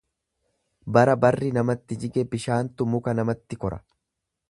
Bara barri namatti jige bishaantu muka namatti kora.